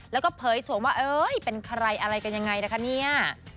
แล้วก็เผยโฉมว่าเอ้ยเป็นใครอะไรกันยังไงนะคะเนี่ย